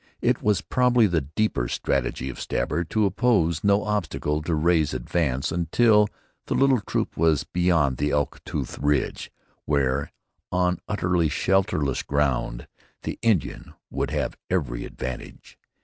It was probably the deeper strategy of Stabber to oppose no obstacle to Ray's advance until the little troop was beyond the Elk Tooth ridge, where, on utterly shelterless ground, the Indian would have every advantage.